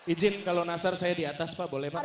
izin kalau nasar saya di atas pak boleh pak